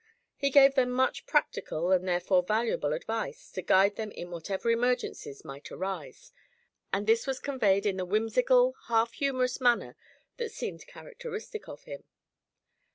He gave them much practical and therefore valuable advice to guide them in whatever emergencies might arise, and this was conveyed in the whimsical, half humorous manner that seemed characteristic of him.